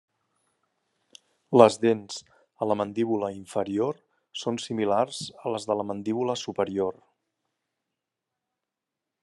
Les dents a la mandíbula inferior són similars a les de la mandíbula superior.